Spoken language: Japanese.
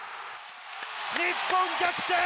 日本逆転。